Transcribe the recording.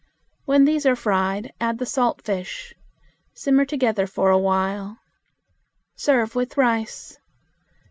When these are fried add the salt fish. Simmer together for a while. Serve with rice.